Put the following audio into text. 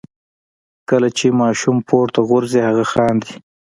کله چې ماشوم پورته غورځوئ هغه خاندي.